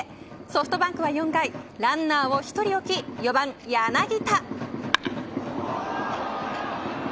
ソフトバンクは４回ランナーを１人置き４番、柳田。